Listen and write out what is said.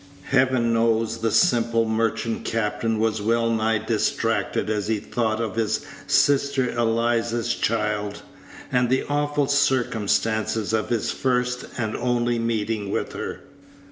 Heaven knows the simple merchant captain was wellnigh distracted as he thought of his sister Eliza's child, and the awful circumstances of his first and only meeting with her.